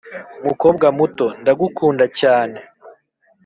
"mukobwa muto, ndagukunda cyane.